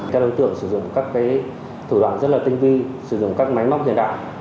các đối tượng sử dụng các thủ đoạn rất là tinh vi sử dụng các máy móc hiện đại